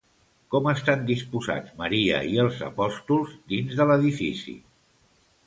Com estan disposats Maria i els apòstols dins de l'edifici?